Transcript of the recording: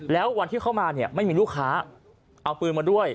แล้ววันที่เข้ามาเนี่ยไม่มีลูกค้าเอาปืนมาด้วย